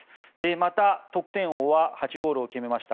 また、得点王は８ゴールを決めました